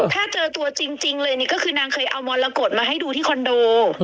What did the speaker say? ถ้าเจอตัวจริงเลยนี่ก็คือนางเคยเอามรกฏมาให้ดูที่คอนโด